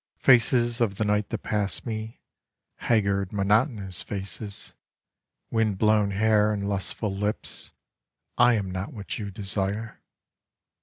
Faces of the night that pass me, Haggard, monotonous faces, Windblown hair and lustful lips, I am not what you desire.